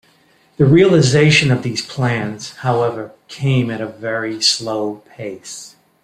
The realization of these plans however came at a very slow pace.